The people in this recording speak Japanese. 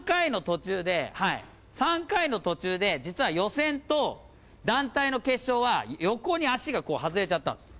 ３回の途中で、実は予選と団体の決勝は、そこに足が外れちゃった。